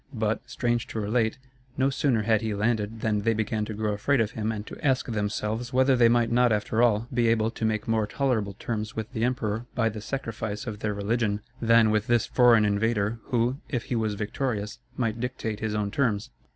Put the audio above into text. But, strange to relate, no sooner had he landed than they began to grow afraid of him and to ask themselves whether they might not after all, be able to make more tolerable terms with the emperor by the sacrifice of their religion, than with this foreign invader, who, if he was victorious, might dictate his own terms.